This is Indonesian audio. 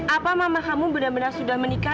apa mama kamu benar benar sudah menikah